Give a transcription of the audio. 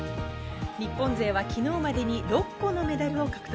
日本勢は昨日までに６個のメダルを獲得。